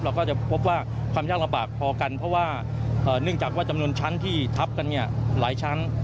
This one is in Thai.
เราก็จะพบว่าความยากลำบากพอกันเพราะว่าเนื่องจากว่าจำนวนชั้นที่ทับกันเนี่ยหลายชั้น